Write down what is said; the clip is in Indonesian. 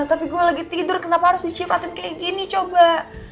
tapi gue lagi tidur kenapa harus disimatin kayak gini coba